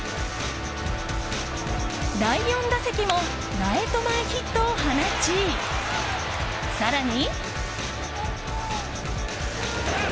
第４打席もライト前ヒットを放ち更に。